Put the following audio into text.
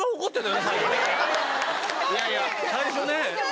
いやいや。最初ね。